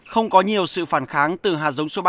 không có nhiều sự phản kháng từ hạ dống số ba